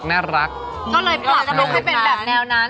ก็เลยปรับลุคให้เป็นแบบแนวนั้น